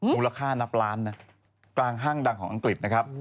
มูลค่านับล้านนะกลางห้างดังของอังกฤษนะครับ